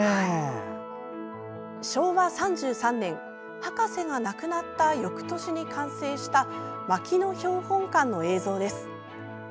昭和３３年博士が亡くなった翌年に完成した牧野標本館の映像です。